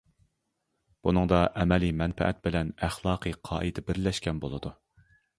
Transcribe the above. بۇنىڭدا ئەمەلىي مەنپەئەت بىلەن ئەخلاقىي قائىدە بىرلەشكەن بولىدۇ.